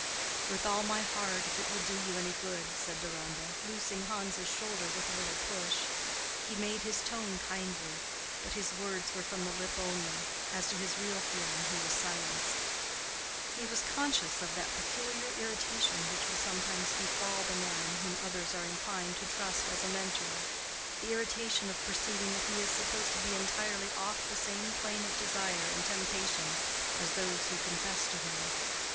"With all my heart, if it will do you any good," said Deronda, loosing Hans's shoulder, with a little push. He made his tone kindly, but his words were from the lip only. As to his real feeling he was silenced. He was conscious of that peculiar irritation which will sometimes befall the man whom others are inclined to trust as a mentor—the irritation of perceiving that he is supposed to be entirely off the same plane of desire and temptation as those who confess to him.